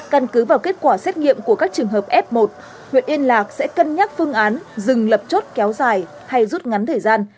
căn cứ vào kết quả xét nghiệm của các trường hợp f một huyện yên lạc sẽ cân nhắc phương án dừng lập chốt kéo dài hay rút ngắn thời gian